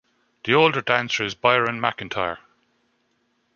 The older dancer is Byron McIntyre.